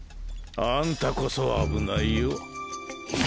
あんたこそ危ないよ。